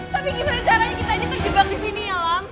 tapi gimana caranya kita ini terjebak di sini alang